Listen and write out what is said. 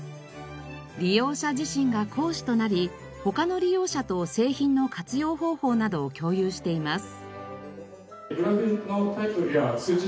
利用者自身が講師となり他の利用者と製品の活用方法などを共有しています。